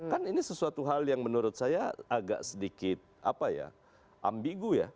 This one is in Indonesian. kan ini sesuatu hal yang menurut saya agak sedikit ambigu ya